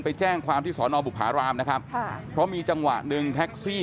ไปแจ้งความที่สอนอบุภารามนะครับค่ะเพราะมีจังหวะหนึ่งแท็กซี่